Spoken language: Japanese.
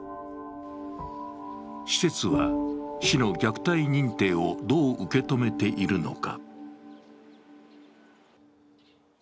施設は、市の虐待認定をどう受け止めているのか。